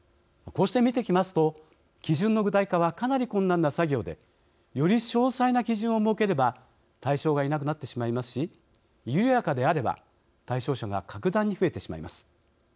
こうして見てきますと基準の具体化はかなり困難な作業でより詳細な基準を設ければ対象がいなくなってしまいますし緩やかであれば対象者が格段に増えてしまいます。